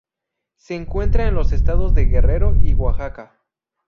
Se encuentra en los estados de Guerrero y Oaxaca.